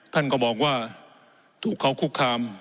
ท่านก็บอกว่าถูกเขาคุกคาม